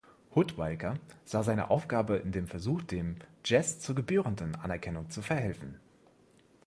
Hudtwalcker sah seine Aufgabe in dem Versuch, dem Jazz zur gebührenden Anerkennung zu verhelfen.